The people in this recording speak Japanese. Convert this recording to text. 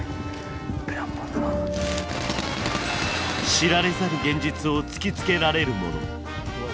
知られざる現実を突きつけられるもの。